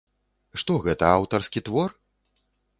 Што гэта аўтарскі твор?